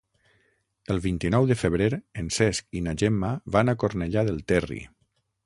El vint-i-nou de febrer en Cesc i na Gemma van a Cornellà del Terri.